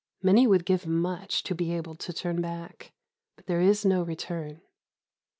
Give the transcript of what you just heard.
Many would give much to be able to turn back: but there is no return.